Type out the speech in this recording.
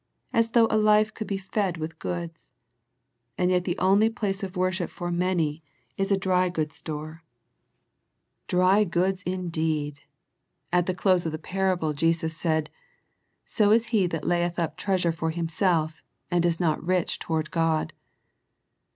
As though a life could be fed with goods ! And yet the only place of worship for many is a dry goods 68 A First Century Message store. Dry goods indeed ! At the close of the parable Jesus said, " So is he that layeth up treasure for himself, and is not rich toward God."